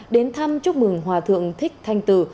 đến thăm chúc mừng hòa thượng thích thanh tử